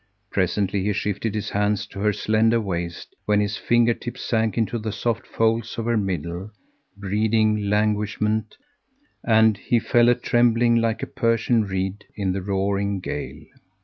Presently he shifted his hands to her slender waist, when his finger tips sank into the soft folds of her middle, breeding languishment, and he fell a trembling like the Persian reed in the roaring gale.